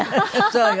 そうよ。